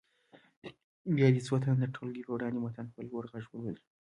بیا دې څو تنه د ټولګي په وړاندې متن په لوړ غږ ولولي.